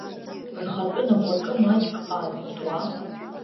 Рхатәы наплакы маҷк аадмыртуа?